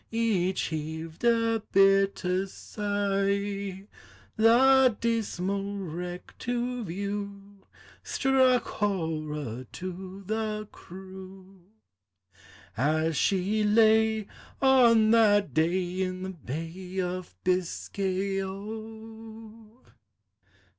Each heaved a bitter sigh; The dismal wreck to view Struck horror to the crew, As she lay, on that day, In the Bay of Biscay, O! 40G POEMS OF NATURE.